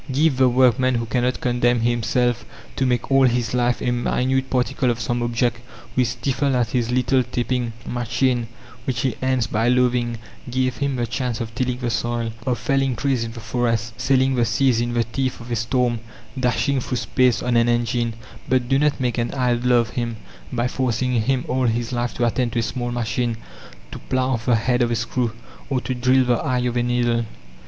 Give the workman who cannot condemn himself to make all his life a minute particle of some object, who is stifled at his little tapping machine, which he ends by loathing, give him the chance of tilling the soil, of felling trees in the forest, sailing the seas in the teeth of a storm, dashing through space on an engine, but do not make an idler of him by forcing him all his life to attend to a small machine, to plough the head of a screw, or to drill the eye of a needle.